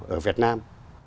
ở việt nam